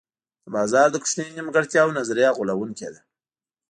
د بازار د کوچنیو نیمګړتیاوو نظریه غولوونکې ده.